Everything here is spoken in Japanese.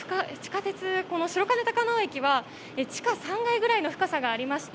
白金高輪駅は地下３階ぐらいの深さがありまして